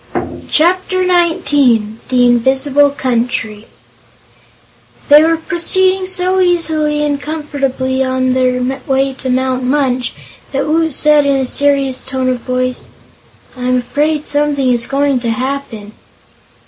Chapter Nineteen The Invisible Country They were proceeding so easily and comfortably on their way to Mount Munch that Woot said in a serious tone of voice: "I'm afraid something is going to happen."